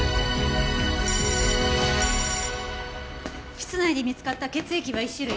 室内で見つかった血液は１種類。